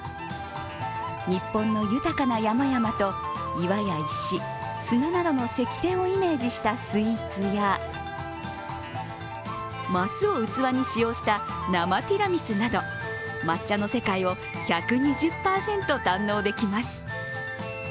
日本の豊かな山々と岩や石、砂などの石庭をイメージしたスイーツや升を器に使用した生ティラミスなど抹茶の世界を１２０％堪能できます。